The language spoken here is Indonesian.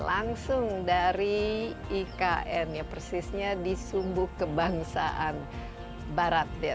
langsung dari ikn ya persisnya di sumbu kebangsaan barat ya